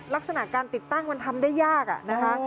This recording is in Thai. ลักษณะการติดตั้งมันทำได้ยากอะนะคะ